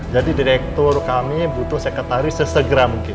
jadi direktur kami butuh sekretaris sesegera mungkin